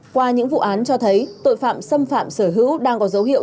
qua những vụ án cho thấy tội phạm xâm phạm sở hữu đang có dấu hiệu